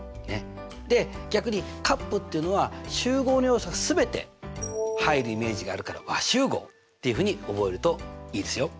で逆に∪っていうのは集合の要素が全て入るイメージがあるから和集合っていうふうに覚えるといいですよ。